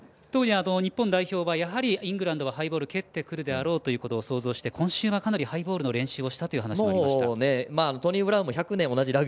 日本代表はイングランドがハイボール蹴ってくるであろうということを創造して、今週はかなりハイボールの練習をしたということです。